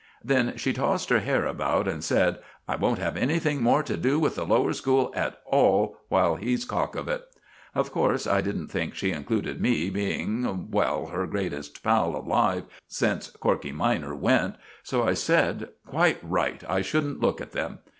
Then she tossed her hair about, and said, 'I won't have anything more to do with the lower school at all while he's cock of it.' Of course, I didn't think she included me, being well, her greatest pal alive since Corkey minor went. So I said, 'Quite right; I shouldn't look at them.